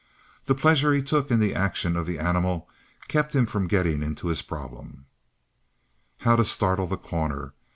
The pleasure he took in the action of the animal kept him from getting into his problem. How to startle The Corner?